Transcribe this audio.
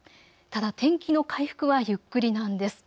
ただ、天気の回復はゆっくりなんです。